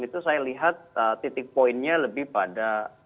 itu saya lihat titik poinnya lebih pada